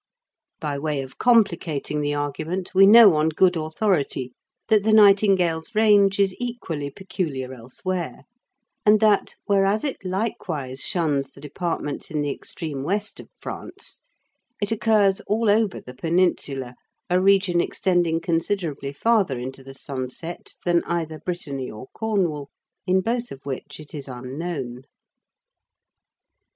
By way of complicating the argument, we know, on good authority, that the nightingale's range is equally peculiar elsewhere; and that, whereas it likewise shuns the departments in the extreme west of France, it occurs all over the Peninsula, a region extending considerably farther into the sunset than either Brittany or Cornwall, in both of which it is unknown.